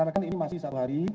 karena ini masih satu hari